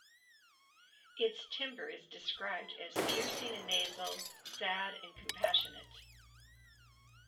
Its timbre is described as "piercing and nasal, sad and compassionate".